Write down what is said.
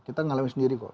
kita ngalamin sendiri kok